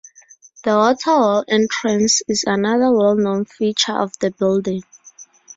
The water-wall entrance is another well-known feature of the building.